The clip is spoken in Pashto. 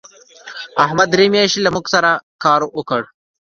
احمد درې میاشتې له موږ سره کار وکړ.